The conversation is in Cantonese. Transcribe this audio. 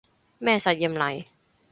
咩實驗嚟